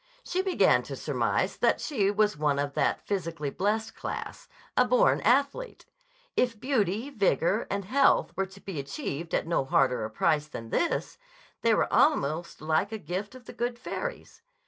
She began to surmise that she was one of that physically blessed class, a born athlete. If beauty, vigor, and health were to be achieved at no harder a price than this, they were almost like a gift of the good fairies.